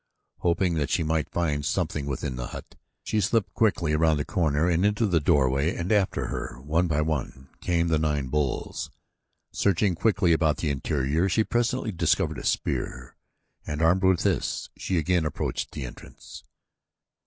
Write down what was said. Hoping that she might find something within the hut, she slipped quickly around the corner and into the doorway and after her, one by one, came the nine bulls. Searching quickly about the interior, she presently discovered a spear, and, armed with this, she again approached the entrance.